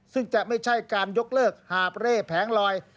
ซึ่งจะไม่ใช่การยกเลิกหาบเร่แผงลอย